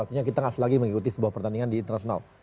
artinya kita tidak selagi mengikuti sebuah pertandingan di internasional